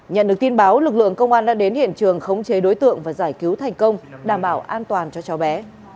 nhận được tin báo lực lượng công an đã đến hiện trường khống chế đối tượng và giải cứu thành công đảm bảo an toàn cho cháu bé